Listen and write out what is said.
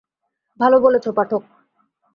ভালো বলেছ পাঠক।